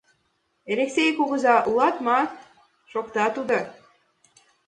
— Элексей кугызай улат ма? — шокта тудо.